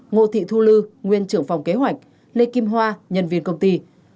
ngô thị thu lư nguyên trưởng phòng kế hoạch lê kim hoa nhân viên công ty